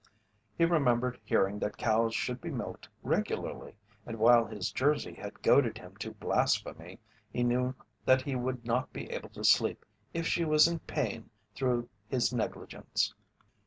He remembered hearing that cows should be milked regularly, and while his Jersey had goaded him to blasphemy he knew that he would not be able to sleep if she was in pain through his negligence.